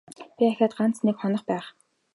Би ахиад ганц нэг хонох байх.